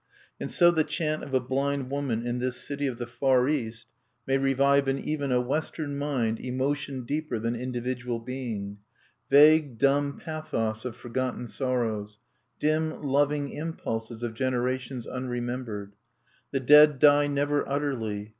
And so the chant of a blind woman in this city of the Far East may revive in even a Western mind emotion deeper than individual being, vague dumb pathos of forgotten sorrows, dim loving impulses of generations unremembered. The dead die never utterly.